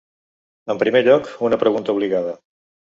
En primer lloc, una pregunta obligada.